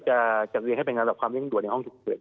จะแจดเรียนให้เป้นนำกับความเร่งดวนในห้องต่อแข่งเสร็จ